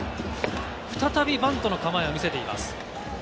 再びバントの構えを見せています。